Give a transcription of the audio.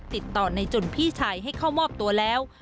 ติดต่อในจุนพี่ชายให้เข้ามอบตัวแล้ว